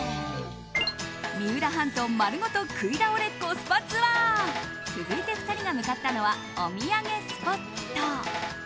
三浦半島丸ごと食い倒れコスパツアー続いて、２人が向かったのはお土産スポット。